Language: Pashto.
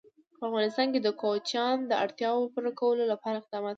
په افغانستان کې د کوچیان د اړتیاوو پوره کولو لپاره اقدامات کېږي.